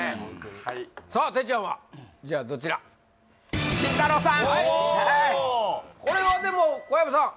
はいさあてっちゃんはじゃどちらおおこれはでも小籔さん